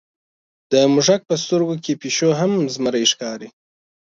د موږک په سترګو کې پیشو هم زمری ښکاري.